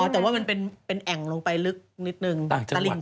แต่ว่ามันเป็นแอ่งลงไปลึกนิดนึง